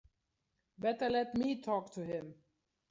Better let me talk to him.